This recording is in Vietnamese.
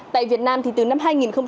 tại việt nam thì từ năm hai nghìn một mươi